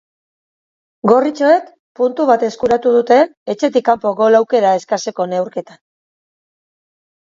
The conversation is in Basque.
Gorritxoek puntu bat eskuratu dute etxetik kanpo gol aukera eskaseko neurketan.